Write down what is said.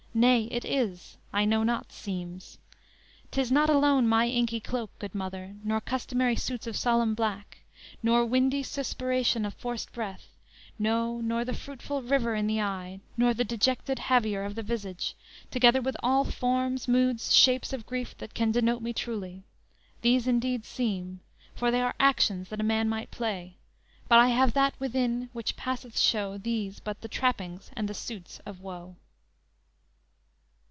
Nay it is; I know not 'seems;' 'Tis not alone my inky cloak, good mother, Nor customary suits of solemn black, Nor windy suspiration of forced breath, No, nor the fruitful river in the eye, Nor the dejected haviour of the visage, Together with all forms, moods, shapes of grief That can denote me truly; these indeed seem, For they are actions that a man might play; But I have that within which passeth show, These but the trappings and the suits of woe."